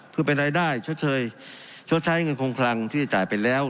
เพื่อเป็นรายได้ชดเชยชดใช้เงินคงคลังที่จะจ่ายไปแล้ว